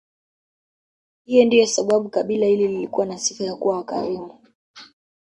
Hii ndiyo sababu kabila hili lilikuwa na sifa ya kuwa wakarimu